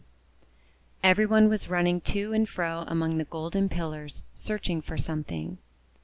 Every one was running to and fro among the golden pillars, searching for something.